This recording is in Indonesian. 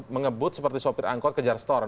mengebut seperti sopir angkot kejar store